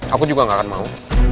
aku juga gak akan mau